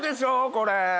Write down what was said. これ。